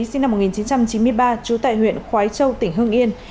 sinh năm một nghìn chín trăm chín mươi ba trú tại huyện khói châu tỉnh hương yên